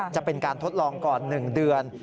จะเป็นการทดลองก่อน๑เดือน